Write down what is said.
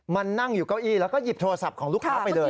นั่งอยู่เก้าอี้แล้วก็หยิบโทรศัพท์ของลูกค้าไปเลย